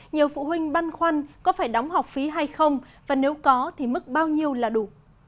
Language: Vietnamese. nhiều phụ huynh băn khoăn có phải đóng học phí hay không và nếu có thì mức bao nhiêu là đủ